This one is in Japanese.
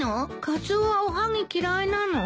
カツオはおはぎ嫌いなの？